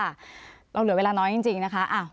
เราเหลือเวลาน้อยจริงนะคะ